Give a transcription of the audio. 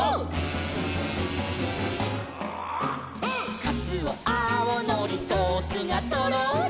「かつおあおのりソースがとろり」